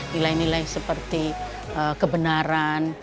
nilai nilai seperti kebenaran